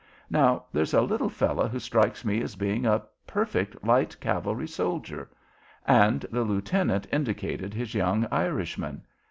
Now, there's a little fellow who strikes me as being a perfect light cavalry soldier." And the lieutenant indicated his young Irishman.